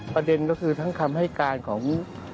ประเด็นก็คือทั้งคำให้การของ